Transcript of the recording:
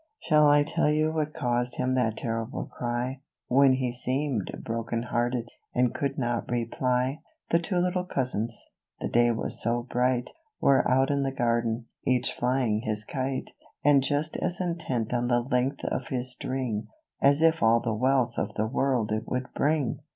Shall I tell you what caused him that terrible cry ; When he seemed broken hearted, and could not reply ? The two little cousins — the day was so bright — Were out in the garden, each flying his kite, And just as intent on the length of his string, As if all the wealth of the world it would bring.